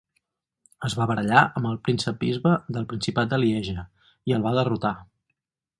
Es va barallar amb el príncep-bisbe del Principat de Lieja, i el va derrotar.